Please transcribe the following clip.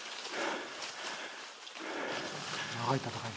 長い戦い。